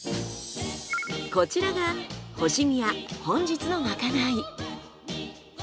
こちらがほしみや本日のまかない。